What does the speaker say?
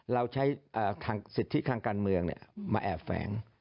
เราใช้ทางสิทธิทางการเมืองมาแอบแฝง